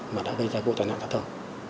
mà đã gây ra vụ tai nạn giao thông